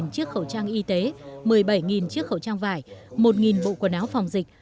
một mươi chiếc khẩu trang y tế một mươi bảy chiếc khẩu trang vải một bộ quần áo phòng dịch